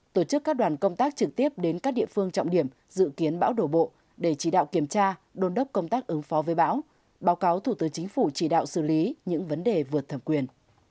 tổ chức các đoàn công tác trực tiếp đến các địa phương trọng điểm dự kiến bão đổ bộ để chỉ đạo kiểm tra đôn đốc công tác ứng phó với bão báo cáo thủ tướng chính phủ chỉ đạo xử lý những vấn đề vượt thẩm quyền